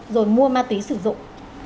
rồi mua ma túy sử dụng